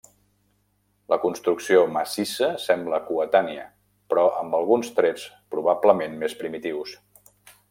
La construcció massissa sembla coetània però amb alguns trets probablement més primitius.